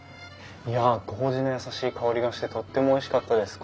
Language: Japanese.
いや麹の優しい香りがしてとってもおいしかったです。